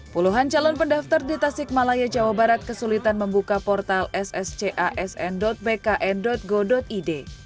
puluhan calon pendaftar di tasik malaya jawa barat kesulitan membuka portal sscasn bkn go id